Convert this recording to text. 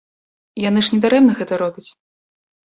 Яны ж не дарэмна гэта робяць.